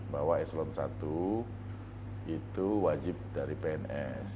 bahwa eselon i itu wajib dari pns